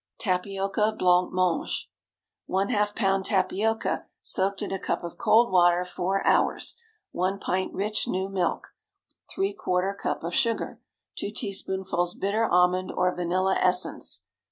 TAPIOCA BLANC MANGE. ✠ ½ lb. tapioca, soaked in a cup of cold water four hours. 1 pint rich new milk. ¾ cup of sugar. 2 teaspoonfuls bitter almond or vanilla essence.